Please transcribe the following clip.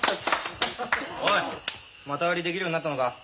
おい股割りできるようになったのか？